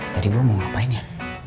tadi lo mau ngapain ya